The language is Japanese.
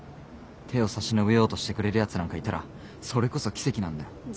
手を差し伸べようとしてくれるやつなんかいたらそれこそ奇跡なんだよ。